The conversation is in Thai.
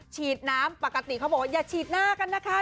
ฉีดน้ำปกติเขาบอกว่าอย่าฉีดหน้ากันนะคะ